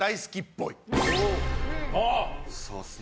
そうっすね。